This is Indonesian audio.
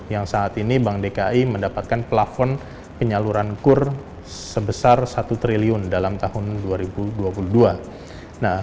yang saat ini bank dki mendapatkan plafon penyaluran kur sebesar satu triliun dalam tahun ini